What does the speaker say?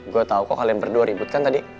gua tau kok kalian berdua ribut kan tadi